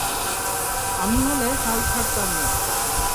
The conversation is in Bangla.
আমি হলে হাল ছাড়তাম না।